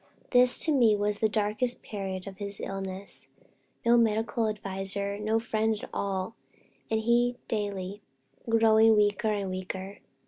This to me was the darkest period of his illness no medical adviser, no friend at hand, and he daily growing weaker and weaker.